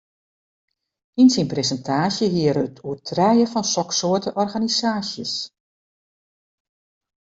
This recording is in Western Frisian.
Yn syn presintaasje hie er it oer trije fan soksoarte organisaasjes.